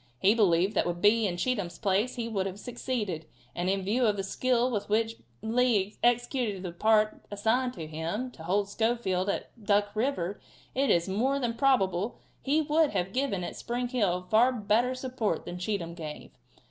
He believed that with Bee in Cheatham's place he would have succeeded, and in view of the skill with which Lee executed the part assigned to him to hold Schofield at Duck river, it is more than probable he would have given at Spring Hill far better support than Cheatham gave.